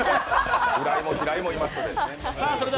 浦井も平井もいますので。